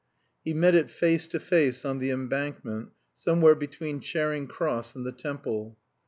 He met it face to face on the Embankment somewhere between Charing Cross and the Temple.